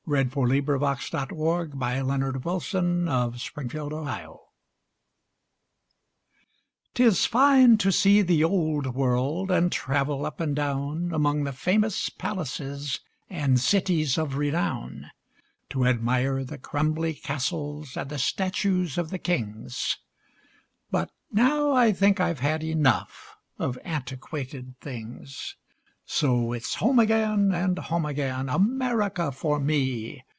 ...other Poetry Sites Henry Van Dyke (1852 1933) "AMERICA FOR ME" 'TIS fine to see the Old World, and travel up and down Among the famous palaces and cities of renown, To admire the crumbly castles and the statues of the kings,— But now I think I've had enough of antiquated things. So it's home again, and home again, America for me!